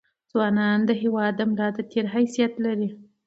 ځونان دهیواد دملا دتیر حیثت لري